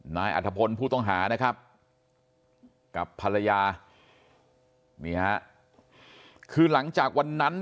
นายอัฐพรผู้ต้องหากับภรรยานี่ครับคือหลังจากวันนั้น